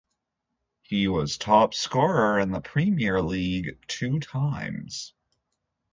He was top scorer in the Premier League two times.